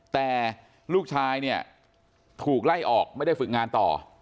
แต่ลูกชายเนี่ยถูกไล่ออกไม่ได้ฝึกงานต่อ